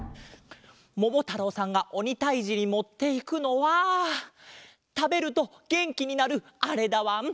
ももたろうさんがおにたいじにもっていくのはたべるとげんきになるあれだわん。